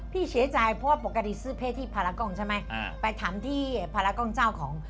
พี่เชยใจพวกปกติสิเผยที่พารากงใช่ไหมไปถามที่พารากงเจ้าของ